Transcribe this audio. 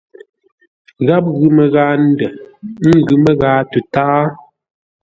Gháp ghʉ məghaa ndə̂, ə́ ngʉ̌ məghaa tətáa.